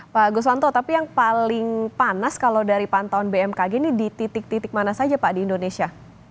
pak guswanto tapi yang paling panas kalau dari pantauan bmkg ini di titik titik mana saja pak di indonesia